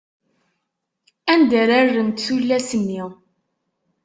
Anda ara rrent tullas-nni?